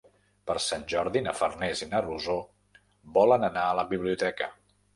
Per Sant Jordi na Farners i na Rosó volen anar a la biblioteca.